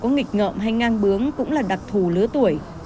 dù có nghịch ngợm hay ngang bướng cũng là đặc thù lứa tuổi